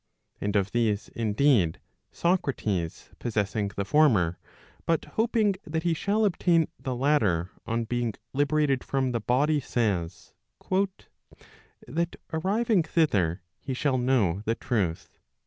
And of these indeed, Socrates possessing the former, but hoping that he shall obtain the latter on being liberated from the body, says, " that arriving thither he shall know the truth."